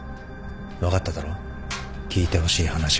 分かっただろ聞いてほしい話が何か。